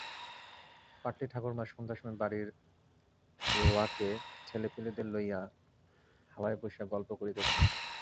পাটলির ঠাকুরমা সন্ধ্যার সময় বাড়ির রোয়াকে ছেলেপিলেদের লইয়া হাওয়ায় বসিয়া গল্প করিতেছেন।